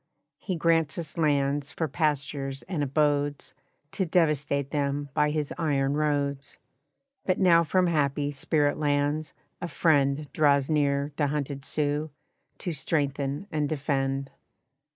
He grants us lands for pastures and abodes To devastate them by his iron roads. But now from happy Spirit Lands, a friend Draws near the hunted Sioux, to strengthen and defend.